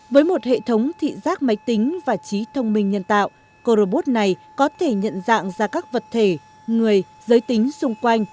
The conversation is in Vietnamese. với một hệ thống thị giác máy tính và trí thông minh nhân tạo cô robot này có thể nhận dạng ra các vật thể người giới tính xung quanh